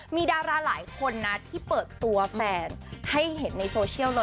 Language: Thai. มีดาราหลายคนนะที่เปิดตัวแฟนให้เห็นในโซเชียลเลย